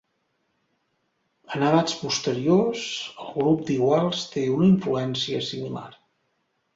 En edats posteriors, el grup d'iguals té una influència similar.